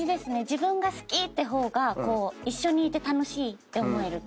自分が好きって方が一緒にいて楽しいって思える。